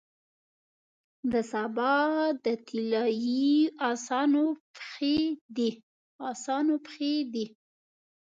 د سبا د طلایې اسانو پښې دی،